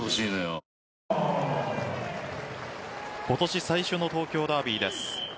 今年最初の東京ダービーです。